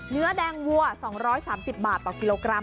เนื้อแดงวัว๒๓๐บาทต่อกิโลกรัม